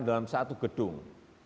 dalam satu gedung